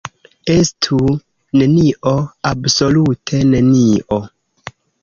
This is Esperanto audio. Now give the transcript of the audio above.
Estu nenio, absolute nenio!